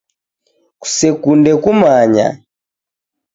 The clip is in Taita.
Kusekunde kumanya.